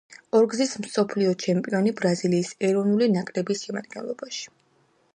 ორგზის მსოფლიო ჩემპიონი ბრაზილიის ეროვნული ნაკრების შემადგენლობაში.